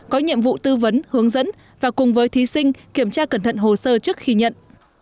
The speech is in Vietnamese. có nhiệm vụ tư vấn hướng dẫn và cùng với thí sinh kiểm tra cẩn thận hồ sơ trước khi nhận